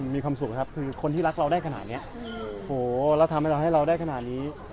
มีความสุขนะครับคือคนที่รักเราได้ขนาดนี้โหเราทำให้เราให้เราได้ขนาดนี้